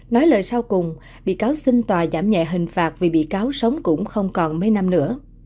nói lời sau cùng bị cáo xin tòa giảm nhẹ hình phạt vì bị cáo sống cũng không còn mấy năm nữa